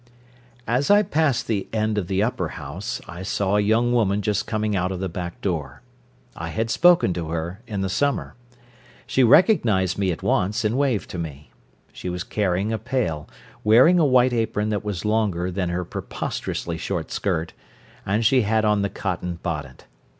As I passed the end of the upper house, I saw a young woman just coming out of the back door. I had spoken to her in the summer. She recognised me at once, and waved to me. She was carrying a pail, wearing a white apron that was longer than her preposterously short skirt, and she had on the cotton bonnet.